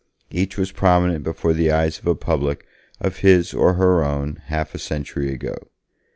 Each was prominent before the eyes of a public of his or her own, half a century ago.